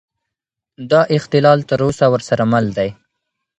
دا اختلال تر اوسه ورسره مل دی.